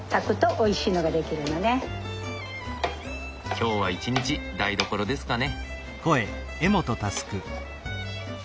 今日は一日台所ですかね。